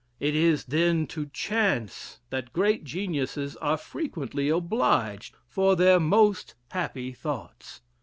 It is then to chance that great geniuses are frequently obliged for their most happy thoughts.